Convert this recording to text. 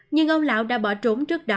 nhưng ông lão đã bỏ trốn trước đó